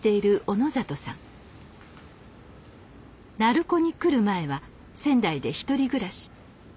鳴子に来る前は仙台で１人暮らし。